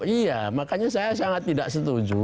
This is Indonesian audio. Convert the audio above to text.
iya makanya saya sangat tidak setuju